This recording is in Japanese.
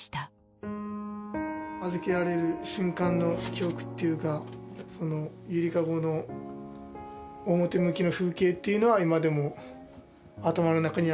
預けられる瞬間の記憶っていうか「ゆりかご」の表の風景っていうのは今でも頭の中にはあります。